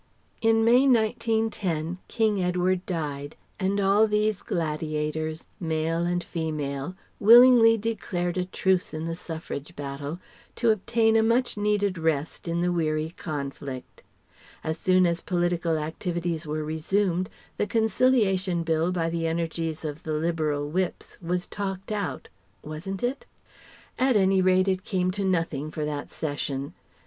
In May, 1910, King Edward died, and all these gladiators, male and female, willingly declared a Truce in the Suffrage battle, to obtain a much needed rest in the weary conflict. As soon as political activities were resumed, the Conciliation Bill by the energies of the Liberal Whips was talked out (wasn't it?). At any rate it came to nothing for that Session.